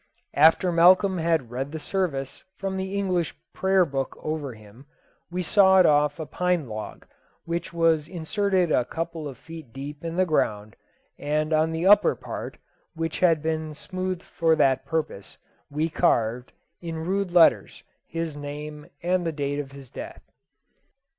After Malcolm had read the service from the English Prayer book over him, we sawed off a pine log, which was inserted a couple of feet deep in the ground, and on the upper part, which had been smoothed for that purpose, we carved, in rude letters, his name, and the date of his death.